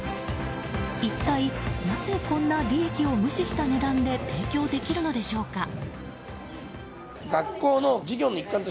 一体なぜこんな利益を無視した値段で提供できるのでしょうか。